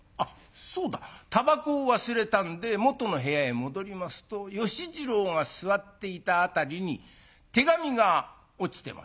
タバコを忘れたんでもとの部屋へ戻りますと芳次郎が座っていた辺りに手紙が落ちてまして。